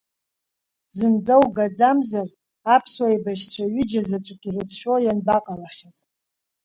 Зынӡа угаӡамзар, аԥсуа еибашьцәа ҩыџьа заҵәык ирыцәшәо ианбаҟалахьаз?